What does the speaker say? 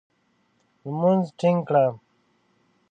لمونځ ټینګ کړه !